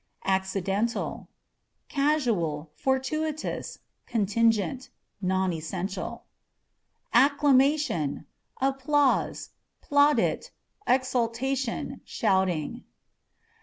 Accidentalâ€" casual, fortuitous, contingent ; non essentiaL b2 4 ACCâ€" ACE. Acclamation â€" applause, plaudit, exultation, shouting.